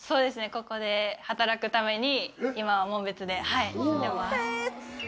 ここで働くために今は紋別で住んでます。